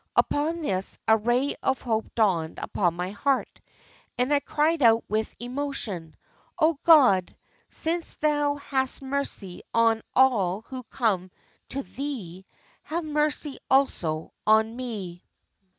Upon this, a ray of hope dawned upon my heart, and I cried out with emotion, 'O God, since Thou hast mercy on all who come to Thee, have mercy also on me.